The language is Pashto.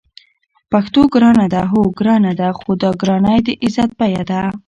پښتو ګرانه ده؟ هو، ګرانه ده؛ خو دا ګرانی د عزت بیه ده